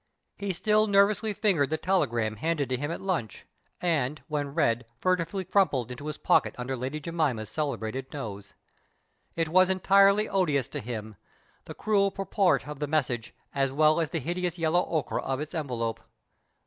He still nervously fingered the telegram handed to him at lunch, and, when read, furtively crumpled into his pocket under Lady Jemima's celebrated nose. It was entirely odious to him, the crude purport of the message, as well as the hideous yellow ochre of its envelope.